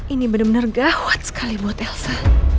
ini bener bener gawat sekali buat elsa